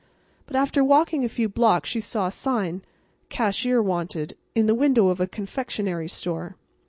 But after walking a few blocks she saw a sign, "Cashier wanted," in the window of a confectionery store.